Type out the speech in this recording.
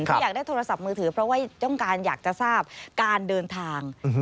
อยากได้โทรศัพท์มือถือเพราะว่าต้องการอยากจะทราบการเดินทาง